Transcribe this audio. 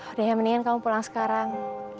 udah ya mendingan kamu pulang sekarang